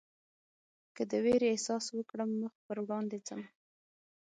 که د وېرې احساس وکړم مخ پر وړاندې ځم.